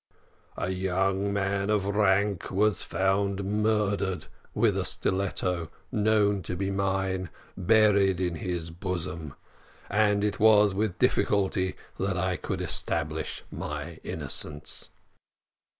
"A young man of rank was found murdered, with a stiletto, known to be mine, buried in his bosom, and it was with difficulty that I could establish my innocence.